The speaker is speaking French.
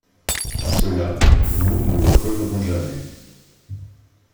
Ceux-là, nous ne les reverrons jamais.